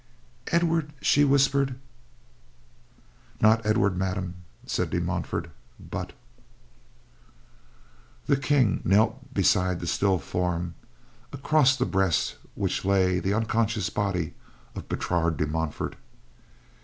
"Edward!" she whispered. "Not Edward, Madame," said De Montfort, "but—" The King knelt beside the still form, across the breast of which lay the unconscious body of Bertrade de Montfort.